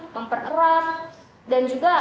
mempererah dan juga